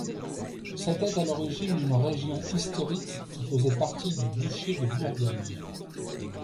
C'était à l'origine une région historique qui faisait partie du duché de Bourgogne.